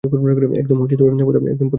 একদম পথে বসা লোক আমি।